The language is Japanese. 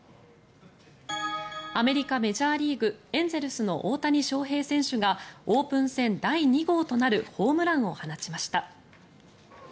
アメリカ、メジャーリーグエンゼルスの大谷翔平選手がオープン戦第２号となるホームランを放ちました。